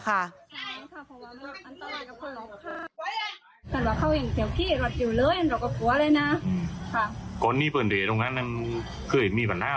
กับพ่อข้องผู้ก่อเหตุนั้นคือเขาก็ดีกันมาก